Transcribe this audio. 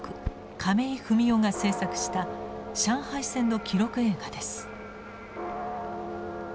亀井文夫が制作した上海戦の記録映画です。